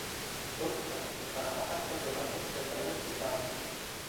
Son cuatro, cada par son llamados verdaderos y falsos.